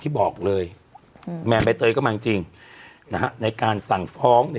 ที่บอกเลยอืมแม่ใบเตยก็มาจริงนะฮะในการสั่งฟ้องใน